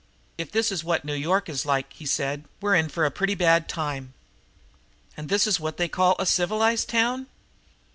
"If this is what New York is like," he said, "we're in for a pretty bad time. And this is what they call a civilized town?